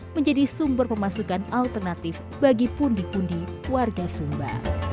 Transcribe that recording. menjadi sumber pemasukan alternatif bagi pundi pundi warga sumba